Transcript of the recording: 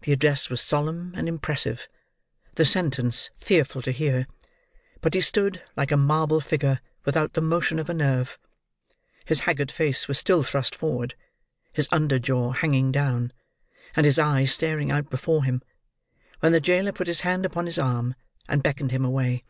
The address was solemn and impressive; the sentence fearful to hear. But he stood, like a marble figure, without the motion of a nerve. His haggard face was still thrust forward, his under jaw hanging down, and his eyes staring out before him, when the jailer put his hand upon his arm, and beckoned him away.